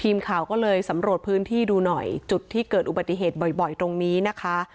ทีมข่าวก็เลยสำรวจพื้นที่ดูหน่อยจุดที่เกิดอุบัติเหตุบ่อยตรงนี้นะคะ